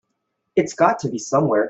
It's got to be somewhere.